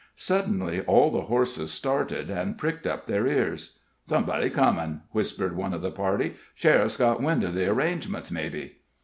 Suddenly all the horses started and pricked up their ears. "Somebody's comin'!" whispered one of the party. "Sheriff's got wind of the arrangements, maybe!"